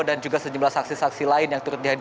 dan juga sejumlah saksi saksi lain yang turut diperhatikan